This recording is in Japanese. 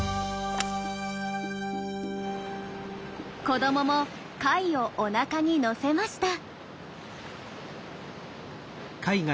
子どもも貝をおなかにのせました。